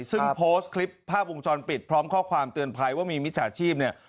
ซึ่งโพสต์คลิปภาพวงจรปิดพร้อมข้อความเตือนภัยว่ามีมิจฉาชีพเนี่ย